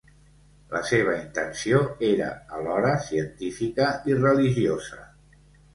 La seva intenció era alhora científica i religiosa.